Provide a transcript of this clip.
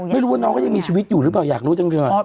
ไม่รู้ว่าน้องก็ยังมีชีวิตอยู่หรือเปล่าอยากรู้จังเลย